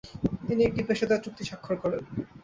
তিনি একটি পেশাদার চুক্তি স্বাক্ষর করেন।